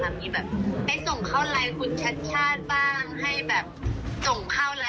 ก็ลองส่งไปดูแล้ว